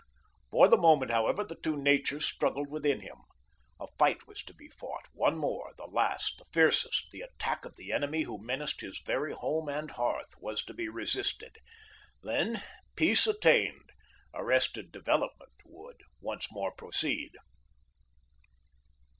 For the moment, however, the two natures struggled within him. A fight was to be fought, one more, the last, the fiercest, the attack of the enemy who menaced his very home and hearth, was to be resisted. Then, peace attained, arrested development would once more proceed.